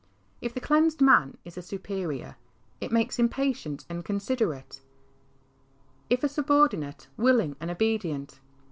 If the cleansed man is a superior, it makes him patient and considerate ; if a subordinate, willing and obedient.